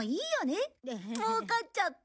もうかっちゃった。